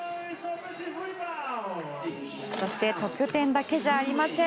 そして得点だけじゃありません。